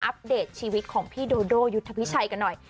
ปเดตชีวิตของพี่โดโดยุทธพิชัยกันหน่อย